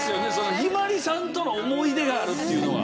ひばりさんとの思い出があるっていうのが。